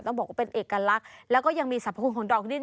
บอกว่าเป็นเอกลักษณ์แล้วก็ยังมีสรรพคุณของดอกดิน